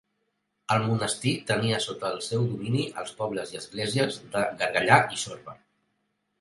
El monestir tenia sota el seu domini els pobles i esglésies de Gargallà i Sorba.